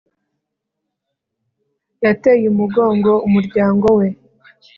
yateye umugongo umuryango we